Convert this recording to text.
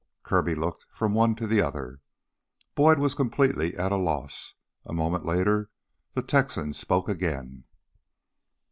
Kirby looked from one to the other. Boyd was completely at a loss. A moment later the Texan spoke again.